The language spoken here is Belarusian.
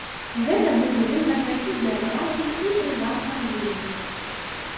Гэта будзе выгадна і дзяржаве, і прыватнаму бізнэсу.